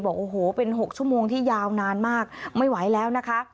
บอกโอ้โหเป็น๖ชั่วโมงที่ยาวนานมากไม่ไหวแล้วนะคะ